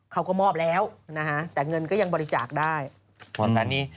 เขาก็มอบแล้วนะฮะแต่เงินก็ยังบริจาคได้